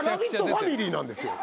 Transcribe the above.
ファミリーなんですよ。